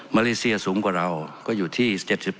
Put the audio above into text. เลเซียสูงกว่าเราก็อยู่ที่๗๘